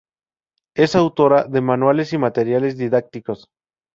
Es autora de manuales y materiales didácticos.